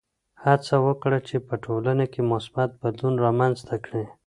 هڅه وکړه چې په ټولنه کې مثبت بدلون رامنځته کړې.